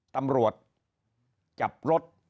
ตำรวจจับรถ